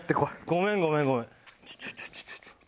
ごめんごめんごめん。